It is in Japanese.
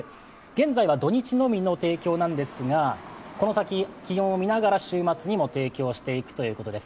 現在は土日のみの提供なんですがこの先、気温を見ながら週末にも提供していくということです。